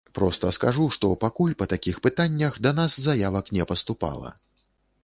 Проста скажу, што пакуль па такіх пытаннях да нас заявак не паступала.